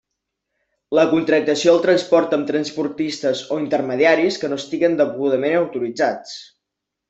La contractació del transport amb transportistes o intermediaris que no estiguen degudament autoritzats.